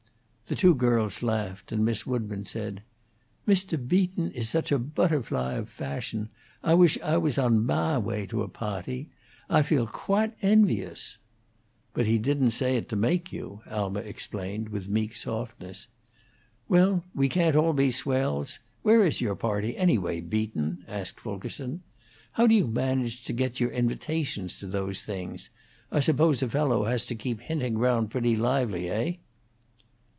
The two girls laughed, and Miss Woodburn said: "Mr. Beaton is such a butterfly of fashion! Ah wish Ah was on mah way to a pawty. Ah feel quahte envious." "But he didn't say it to make you," Alma explained, with meek softness. "Well, we can't all be swells. Where is your party, anyway, Beaton?" asked Fulkerson. "How do you manage to get your invitations to those things? I suppose a fellow has to keep hinting round pretty lively, Neigh?"